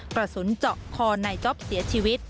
กระสุนเจาะคอนายจ๊อปเสียชีวิต